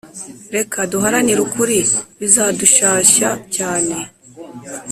Reka duharanire ukuri bizadushashya cyane